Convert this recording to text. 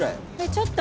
ちょっと。